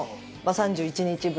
３１日分。